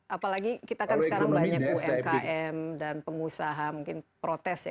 apalagi kita kan sekarang banyak umkm dan pengusaha mungkin protes ya